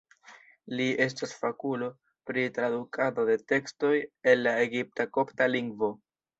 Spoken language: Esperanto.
Li estas fakulo pri tradukado de tekstoj el la egipta-kopta lingvo.